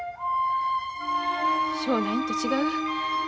しょうないんと違う？